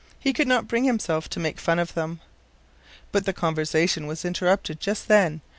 He could not bring himself to make fun of them. But the conversation was interrupted just then.